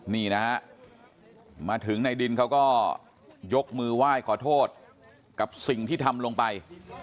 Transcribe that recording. นี่นะฮะมาถึงในดินเขาก็ยกมือไหว้ขอโทษกับสิ่งที่ทำลงไป